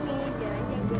jalannya gue disini